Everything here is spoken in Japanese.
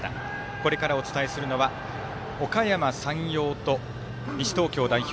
これからお伝えするのはおかやま山陽と西東京代表